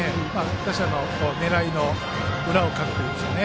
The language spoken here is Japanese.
打者の狙いの裏をかくといいますか。